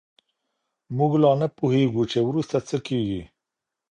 موږ لا نه پوهېږو چې وروسته څه کېږي.